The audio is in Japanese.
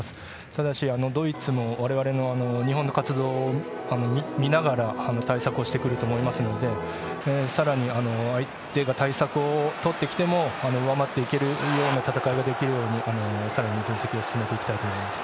ただし、ドイツも我々、日本の活動を見ながら対策をしてくると思いますのでさらに相手が対策をとってきても上回っていけるような戦いができるようにさらに分析を進めていきたいと思います。